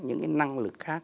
những cái năng lực khác